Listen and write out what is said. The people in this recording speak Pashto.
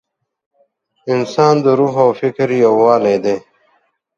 انسان د روح او فکر یووالی دی.